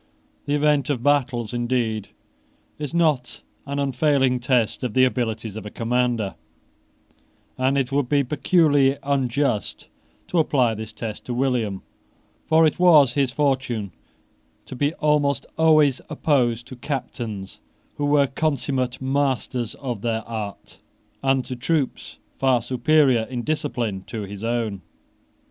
The event of battles, indeed, is not an unfailing test of the abilities of a commander; and it would be peculiarly unjust to apply this test to William: for it was his fortune to be almost always opposed to captains who were consummate masters of their art, and to troops far superior in discipline to his own.